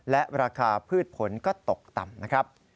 และราคาพืชผลก็ตกต่ำนะครับ